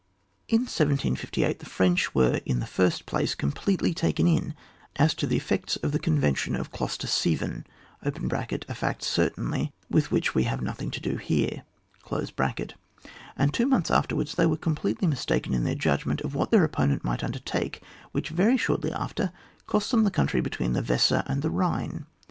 In 1768, the French were in the first place completely taken in as to the effects of the convention of Kloster Beeven (a fact, certainly, with which we have nothing to do here), and two months afterwards they were completely mistaken in their judgment of what their opponent might imdertake, which, very shortly after, cost them the country between the Weser and the Ehine.